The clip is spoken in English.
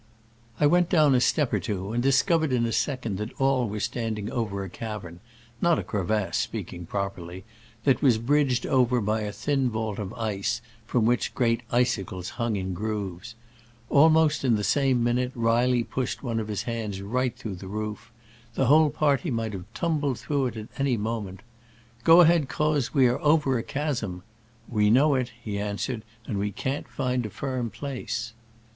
I went down a step or two, and dis covered in a second that all were stand Digitized by Google I04 SCRAMBLES AMONGST THE ALPS IN i86o '69. ing over a cavern (not a crevasse, speak ing properly) that was bridged over by a thin vault of ice, from which great icicles hung in grooves. Almost in the same minute Reilly pushed one of his hands right through the roof. The whole party might have tumbled through at any moment. *' Go ahead, Croz : we are over a chasm!" "We know it," he answered, "and we can't find a firm place."